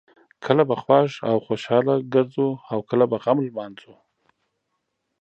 کله به خوښ او خوشحاله ګرځو او کله به غم لمانځو.